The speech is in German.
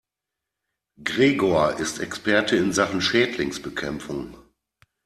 Gregor ist Experte in Sachen Schädlingsbekämpfung.